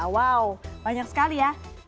wow banyak sekali ya